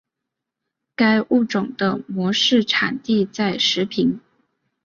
该物种的模式产地在石屏。